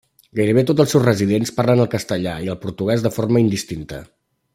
Gairebé tots els seus residents parlen el castellà i el portuguès de forma indistinta.